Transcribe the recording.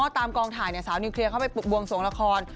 ตามกองถ่ายสาวนิวเคลียร์เข้าไปบวงสวงละคร